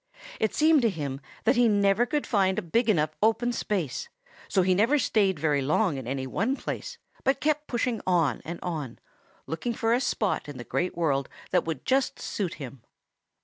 It seemed to him that he never could find a big enough open space, so he never stayed very long in any one place, but kept pushing on and on, looking for a spot in the Great World that would just suit him.